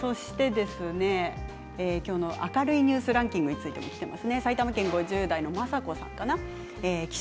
明るいニュースランキングについてもきています。